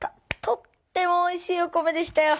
とってもおいしいお米でしたよ。